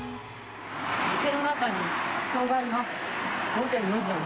店の中に人がいます。